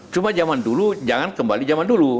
cuma jaman dulu jangan kembali jaman dulu